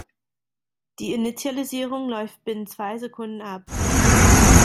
Die Initialisierung läuft binnen zwei Sekunden ab.